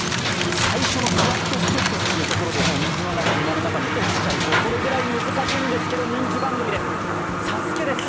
最初のクアッドステップスというところでもう水の中、沼の中に落ちちゃいそう、それぐらい難しいんですけど人気番組です、「ＳＡＳＵＫＥ」です。